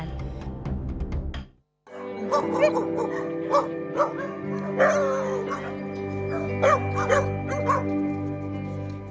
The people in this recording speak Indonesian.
anjing anjing yang diselamatkan